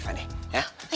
ya sudah cepetan